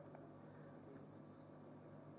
dan nantinya akan